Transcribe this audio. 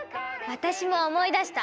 私も思い出した。